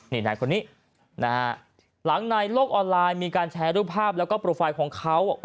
นี่นายคนนี้นะฮะหลังในโลกออนไลน์มีการแชร์รูปภาพแล้วก็โปรไฟล์ของเขา